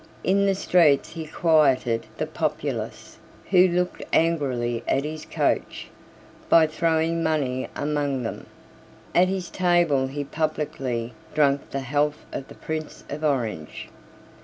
In the streets he quieted the populace, who looked angrily at his coach, by throwing money among them. At his table he publicly drank the health of the Prince of Orange.